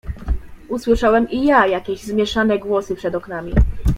"Usłyszałem i ja jakieś zmieszane głosy przed oknami."